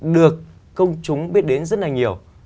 được công chúng biết đến rất là nhiều